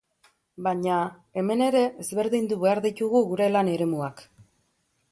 Baina, hemen ere ezberdindu behar ditugu gure lan eremuak.